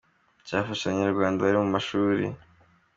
cyafasha abanyarwanda bari mu mashuri.